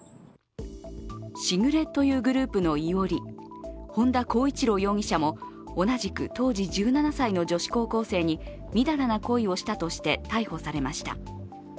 時雨というグループの伊織、本田孝一朗容疑者も同じく当時１７歳の女子高校生にみだらな行為をしたとして逮捕されました。